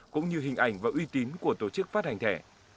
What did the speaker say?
cũng như hình ảnh và uy tín của tổ chức phát hành thẻ